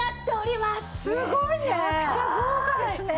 すごいね！